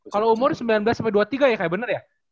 kalau umur sembilan belas sampai dua puluh tiga ya kayak bener ya